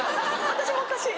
私もおかしい？